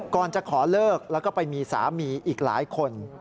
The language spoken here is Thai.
ก่อนจะขอเลิกแล้วก็ไปมีสามีอีกหลายคน